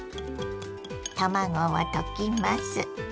卵を溶きます。